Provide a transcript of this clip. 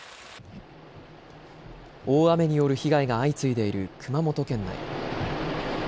大雨による被害が相次いでいる熊本県内。